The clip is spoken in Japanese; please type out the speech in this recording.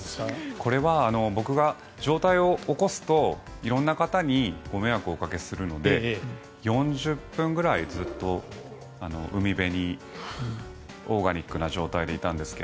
これは僕が上体を起こすと色んな方にご迷惑をおかけするので４０分ぐらいずっと海辺にオーガニックな状態でいたんですが。